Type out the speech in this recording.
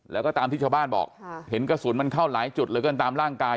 แล้วก็ตามที่ชาวบ้านบอกเห็นกระสุนมันเข้าหลายจุดเหลือเกินตามร่างกาย